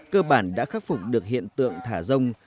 cơ bản đã khắc phục được hiện tượng thả rông